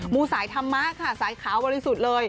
มูสายทำมากสายขาวไปเลยสุดเลย